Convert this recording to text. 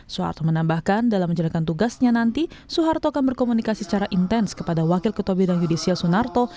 soeharto menambahkan dalam menjalankan tugasnya nanti soeharto akan berkomunikasi secara intens kepada wakil ketua bidang yudisial sunarto